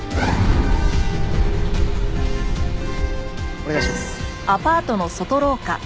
お願いします。